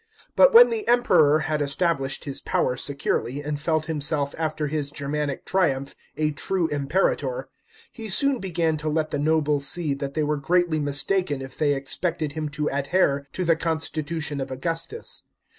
But when the Emperor had established his power securely, and felt himself after his Germanic triumph a true Imperator, he soon began to let the nobles see that they were greatly mistaken if they expected him to a<! here to the constitution of Augustus.